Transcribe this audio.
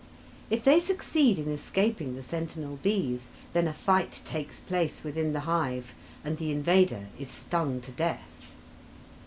If they succeed in escaping the sentinel bees, then a fight takes place within the hive, and the invader is stung to death.